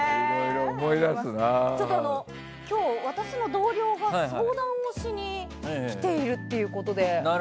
ちょっと今日、私の同僚が相談しに来ているということで。